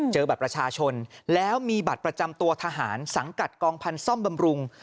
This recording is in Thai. บัตรประชาชนแล้วมีบัตรประจำตัวทหารสังกัดกองพันธ์ซ่อมบำรุง